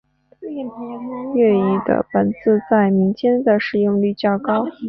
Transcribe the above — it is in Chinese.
粤语的本字在民间的使用率较高。